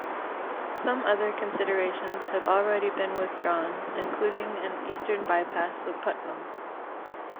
Some other considerations have already been withdrawn, including an eastern bypass of Putnam.